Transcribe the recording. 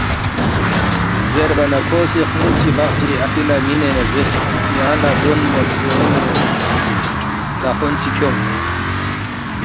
زیربا نہ کھو سی خمُول چی بقچی اپی لہ مِنے نہ زیرس، ”یانگ لہ گونمہ ژینُوی دخون چی کھیونگ